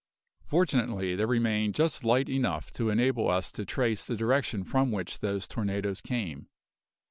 Fortunately, there remained just light enough to enable us to trace the direction from which those tornadoes came.